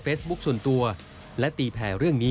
เป็นแหน่งก็จะมีความขึ้นมาก